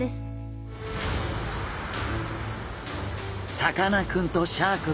さかなクンとシャーク香音さん